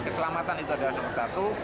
keselamatan itu adalah nomor satu